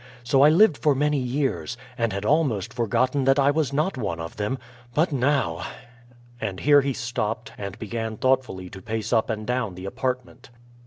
So I lived for many years, and had almost forgotten that I was not one of them; but now " And here he stopped and began thoughtfully to pace up and down the apartment.